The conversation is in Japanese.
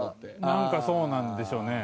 なんかそうなんでしょうね。